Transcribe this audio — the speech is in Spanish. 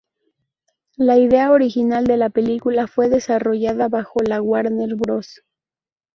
La idea original de la película fue desarrollada bajo la Warner Bros.